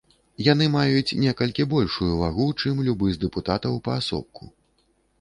Яны маюць некалькі большую вагу, чым любы з дэпутатаў паасобку.